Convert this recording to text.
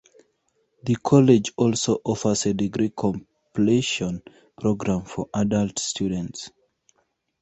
The college also offers a degree completion program for adult students.